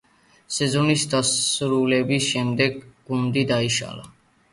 სეზონის დასრულების შემდეგ გუნდი დაიშალა.